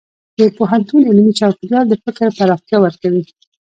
د پوهنتون علمي چاپېریال د فکر پراختیا ورکوي.